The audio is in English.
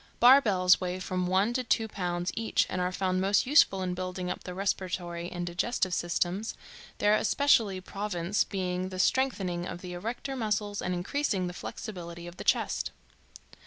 Bar bells weigh from one to two pounds each and are found most useful in building up the respiratory and digestive systems, their especial province being the strengthening of the erector muscles and increasing the flexibility of the chest.